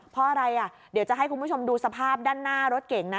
เพราะอะไรอ่ะเดี๋ยวจะให้คุณผู้ชมดูสภาพด้านหน้ารถเก่งนะ